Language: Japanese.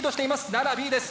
奈良Ｂです。